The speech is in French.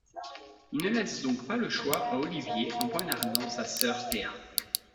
Il ne laisse donc pas le choix à Oliver en poignardant sa sœur Thea.